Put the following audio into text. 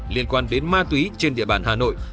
liên quan đến ma túy trên địa bàn hà nội